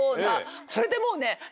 それでもうね。